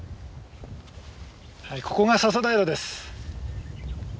はいここが笹平です。